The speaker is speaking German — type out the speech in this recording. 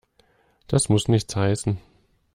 Das muss nichts heißen.